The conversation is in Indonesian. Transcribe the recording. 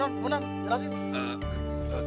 munah munah jelasin